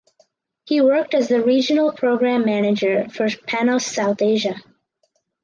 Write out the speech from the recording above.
He worked as the regional programme manager for Panos South Asia.